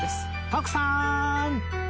徳さん！